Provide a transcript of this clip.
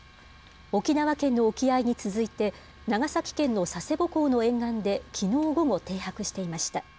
沖縄県の沖合に続いて、長崎県の佐世保港の沿岸できのう午後、停泊していました。